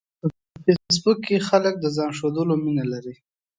په فېسبوک کې خلک د ځان ښودلو مینه لري